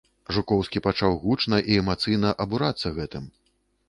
Жукоўскі пачаў гучна і эмацыйна абурацца гэтым.